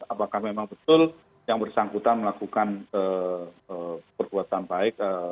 apakah memang betul yang bersangkutan melakukan perbuatan baik